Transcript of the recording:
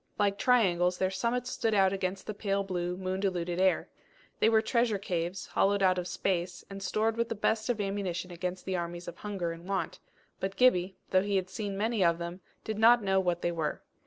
Like triangles their summits stood out against the pale blue, moon diluted air. They were treasure caves, hollowed out of space, and stored with the best of ammunition against the armies of hunger and want; but Gibbie, though he had seen many of them, did not know what they were.